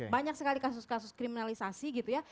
banyak sekali kasus kasus kriminalisasi gitu ya